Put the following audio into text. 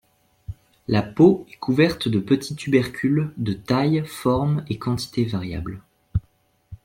La peau est couverte de petits tubercules de taille, forme et quantité variables.